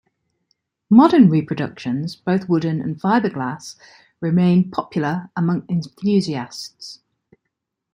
Modern reproductions, both wooden and fiberglass, remain popular among enthusiasts.